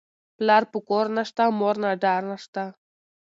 ـ پلار په کور نشته، مور نه ډار نشته.